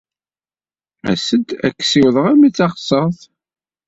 As-d ad k-ssiwḍeɣ arma d taɣsert.